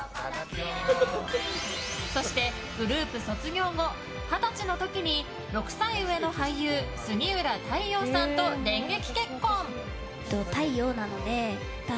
そしてグループ卒業後二十歳の時に６歳上の俳優杉浦太陽さんと電撃結婚。